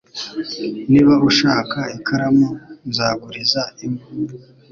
Niba ushaka ikaramu, nzaguriza imwe.